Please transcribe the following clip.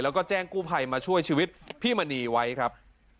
แล้วก็แจ้งกู้ภัยมาช่วยชีวิตพี่มณีไว้ครับ